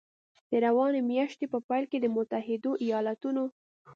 د روانې میاشتې په پیل کې د متحدو ایالتونو